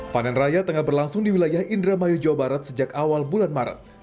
panen raya tengah berlangsung di wilayah indramayu jawa barat sejak awal bulan maret